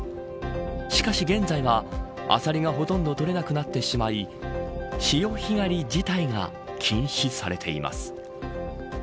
しかし、現在はアサリがほとんど取れなくなってしまい潮干狩り自体が禁止されています。